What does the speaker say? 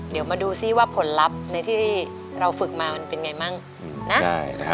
เดี๋ยวมาดูซิว่าผลลัพธ์ในที่เราฝึกมามันเป็นไงมั่งนะ